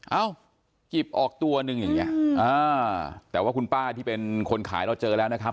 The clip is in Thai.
เอ้าหยิบออกตัวหนึ่งอย่างนี้แต่ว่าคุณป้าที่เป็นคนขายเราเจอแล้วนะครับ